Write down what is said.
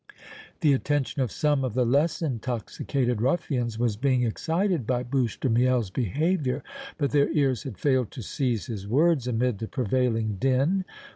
The attention of some of the less intoxicated ruffians was being excited by Bouche de Miel's behavior, but their ears had failed to seize his words amid the prevailing din.